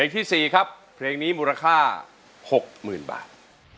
ที่๔ครับเพลงนี้มูลค่า๖๐๐๐บาท